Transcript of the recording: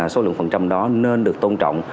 số lượng phần trăm đó nên được tôn trọng